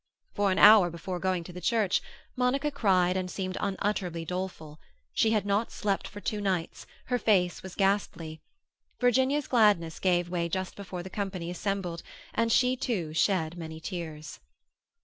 For an hour before going to the church, Monica cried and seemed unutterably doleful; she had not slept for two nights; her face was ghastly. Virginia's gladness gave way just before the company assembled, and she too shed many tears.